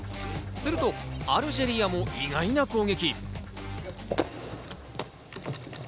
するとアルジェリアも意外な攻撃。